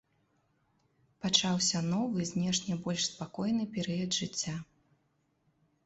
Пачаўся новы, знешне больш спакойны перыяд жыцця.